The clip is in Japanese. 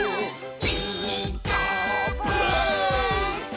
「ピーカーブ！」